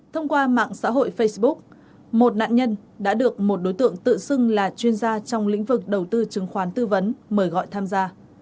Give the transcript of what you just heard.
thông qua mạng xã hội facebook một nạn nhân đã được một đối tượng tự xưng là chuyên gia trong lĩnh vực đầu tư chứng khoán tư vấn mời gọi tham gia